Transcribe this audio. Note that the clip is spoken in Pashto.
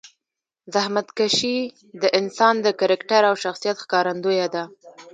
زحمتکشي د انسان د کرکټر او شخصیت ښکارندویه ده.